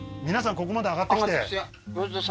ここまで上がってきて？